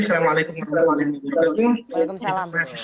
assalamualaikum warahmatullahi wabarakatuh